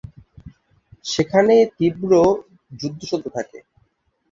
সেখানে তীব্র যুদ্ধ চলতে থাকে।